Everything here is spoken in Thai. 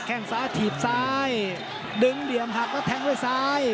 แค่งซ้ายถีบซ้ายดึงเหลี่ยมหักแล้วแทงด้วยซ้าย